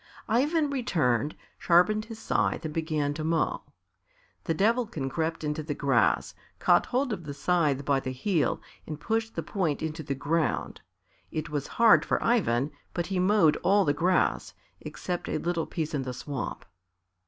Ivan returned, sharpened his scythe and began to mow. The Devilkin crept into the grass, caught hold of the scythe by the heel and pushed the point into the ground. It was hard for Ivan, but he mowed all the grass, except a little piece in the swamp.